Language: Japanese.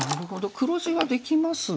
黒地はできますが。